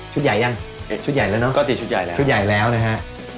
ใหญ่ยังติดชุดใหญ่แล้วเนอะก็ติดชุดใหญ่แล้วชุดใหญ่แล้วนะฮะ